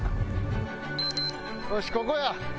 よしここや。